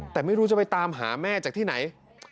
แต่ไม่รู้จะไปตามหาแม่จากที่ไหน